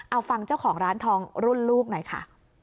เอาฟังเจ้าของร้านทองรุ่นลูกหน่อยค่ะ